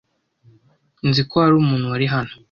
Nzi ko hari umuntu wari hano.